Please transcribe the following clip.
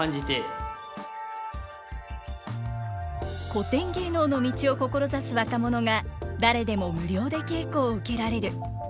古典芸能の道を志す若者が誰でも無料で稽古を受けられる。